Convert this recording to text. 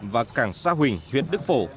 và cảng sa huỳnh huyện đức phổ